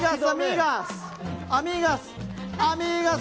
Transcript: アミーガス！